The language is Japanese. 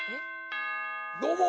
どうも！